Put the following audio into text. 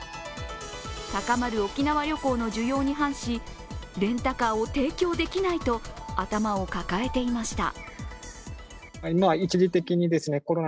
高まる沖縄旅行の需要に反しレンタカーを提供できないと頭を抱えていました。